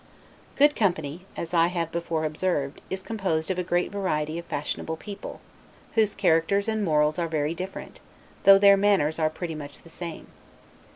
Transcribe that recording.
Good company (as I have before observed) is composed of a great variety of fashionable people, whose characters and morals are very different, though their manners are pretty much the same.